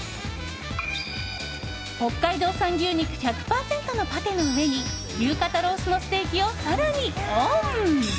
北海道産牛肉１００％のパテの上に牛肩ロースのステーキを更にオン！